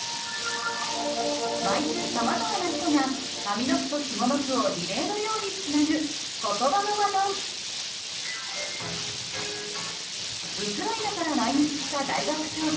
毎週さまざまな人が上の句と下の句をリレーのようにつなぐウクライナから来日した大学教授